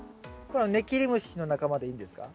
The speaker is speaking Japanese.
これはネキリムシの仲間でいいんですか？